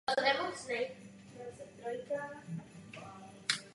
Věnuje se popularizaci slovenštiny v médiích.